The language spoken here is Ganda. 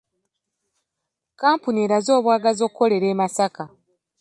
Kapuni eraze obwagazi okukolera e Masaka.